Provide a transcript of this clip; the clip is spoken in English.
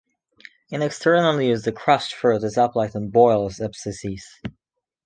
In external use, the crushed fruit is applied on boils, abscesses.